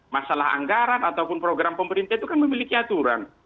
masalah anggaran ataupun program pemerintah itu kan memiliki aturan